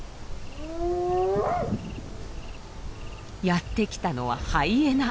やって来たのはハイエナ。